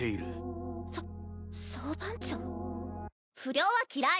不良は嫌い。